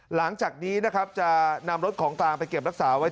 หลังจากนี้นะครับจะนำรถของกลางไปเก็บรักษาไว้